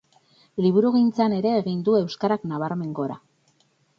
Liburugintzan ere egin du euskarak nabarmen gora.